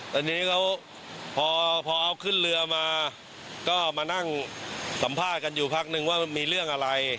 ตอนนี้เขาพอเอาขึ้นเรือมาก็มานั่งสัมภาษณ์กันอยู่พักนึงว่ามีเรื่องอะไร